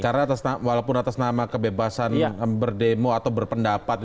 karena walaupun atas nama kebebasan berdemo atau berpendapat